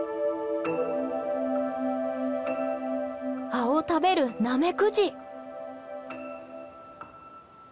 葉を食べるナメクジ。